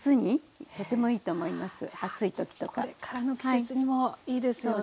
これからの季節にもいいですよね。